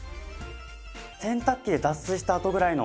洗濯機で脱水したあとぐらいの。